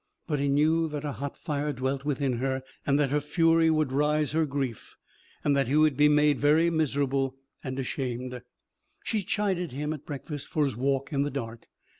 But he knew that a hot fire dwelt within her and that her fury would rise, her grief, and that he would be made very miserable and ashamed. She chided him at breakfast for his walk in the dark.